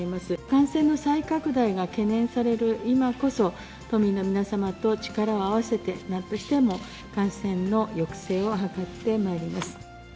感染の再拡大が懸念される今こそ、都民の皆様と力を合わせて、なんとしても感染の抑制を図ってまいります。